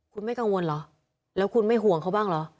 คุณไม่กังวลเหรอแล้วคุณไม่ห่วงเขาบ้างเหรอ